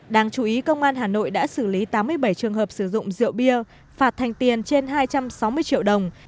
đáng chú ý công an hà nội đã xử lý tám mươi bảy trường hợp sử dụng rượu bia phạt thành tiền trên hai trăm sáu mươi triệu đồng